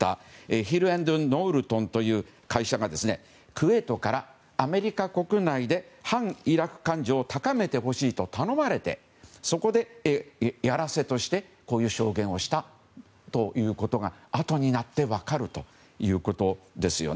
ヒル＆ノウルトンという会社がクウェートからアメリカ国内で反イラク感情を高めてほしいと頼まれてそこでやらせとしてこういう証言をしたということが後になって分かるということですよね。